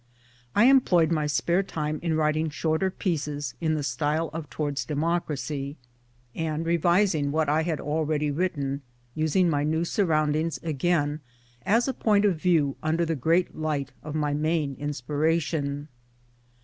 I employed my spare time in writing shorter pieces in the style of Towards Democracy and revising" 109 .II.O MY DAYS AND DREAMS what I had already, written, using my new surround ings again as a point of view under the great light of my main inspiration.